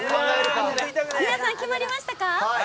皆さん、決まりましたか。